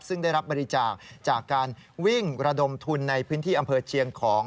ซึ่งได้รับบริจาคจากการวิ่งระดมทุนในพื้นที่อำเภอเชียงของ